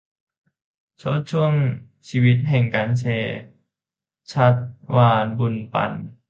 โชติช่วงชีวิตแห่งการแชร์ : ชัชวาล บุญปัน